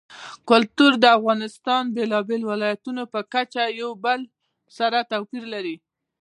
کلتور د افغانستان د بېلابېلو ولایاتو په کچه یو له بل سره توپیر لري.